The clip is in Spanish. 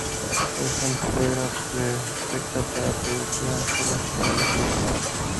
Por ejemplo, era perfecta para producir anzuelos para la pesca.